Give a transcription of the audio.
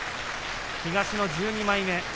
東の１２枚目。